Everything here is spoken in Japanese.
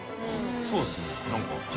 そうですね何か。